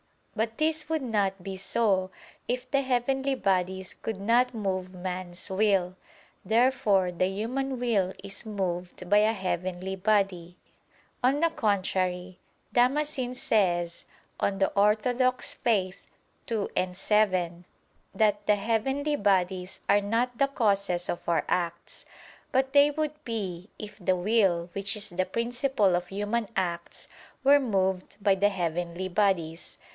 But this would not be so, if the heavenly bodies could not move man's will. Therefore the human will is moved by a heavenly body. On the contrary, Damascene says (De Fide Orth. ii, 7) that "the heavenly bodies are not the causes of our acts." But they would be, if the will, which is the principle of human acts, were moved by the heavenly bodies.